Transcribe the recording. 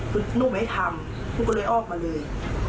คือหนูไม่ทำหนูก็เลยออกมาเลย